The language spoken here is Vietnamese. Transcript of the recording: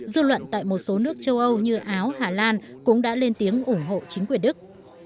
dư luận tại một số nước châu âu như áo hà lan cũng đã lên tiếng ủng hộ chính quyền đức